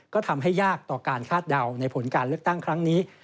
ก็ทำให้ยากต่อการคาดเดาในผลการเลือกตั้งครั้งนี้